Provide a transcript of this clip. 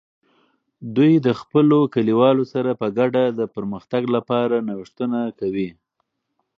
دوی د خپلو کلیوالو سره په ګډه د پرمختګ لپاره نوښتونه کوي.